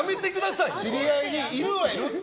知り合いにいるはいる？